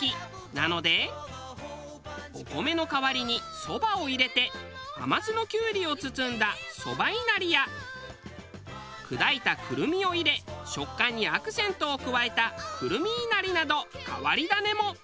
なのでお米の代わりにそばを入れて甘酢のキュウリを包んだそば稲荷や砕いた胡桃を入れ食感にアクセントを加えた胡桃稲荷など変わり種も。